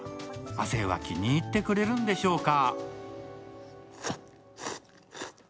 亜生は気に入ってくれるんでしょうか？